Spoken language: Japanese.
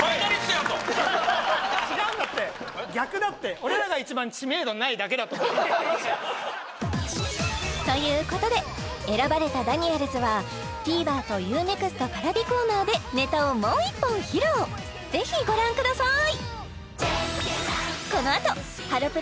違うんだって逆だってということで選ばれたダニエルズはＴＶｅｒとＵ−ＮＥＸＴＰａｒａｖｉコーナーでネタをもう１本披露ぜひご覧ください